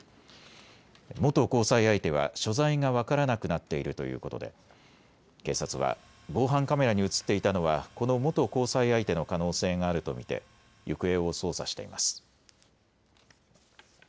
元交際相手は所在が分からなくなっているということで警察は防犯カメラに写っていたのはこの元交際相手の可能性があると見て行方を捜査しています。